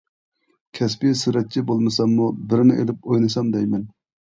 كەسپى سۈرەتچى بولمىساممۇ بىرنى ئېلىپ ئوينىسام دەيمەن.